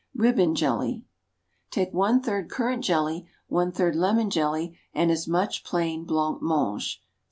Ribbon Jelly. Take one third currant jelly, one third lemon jelly, and as much plain blanc mange.